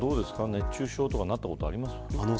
熱中症になったことありますか。